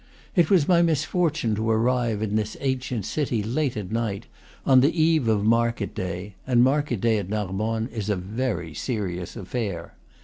It was my misfortune to arrive at this ancient city late at night, on the eve of market day; and market day at Narbonne is a very serious affair.